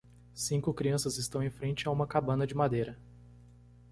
Cinco crianças estão em frente a uma cabana de madeira.